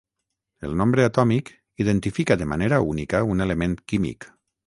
El nombre atòmic identifica de manera única un element químic.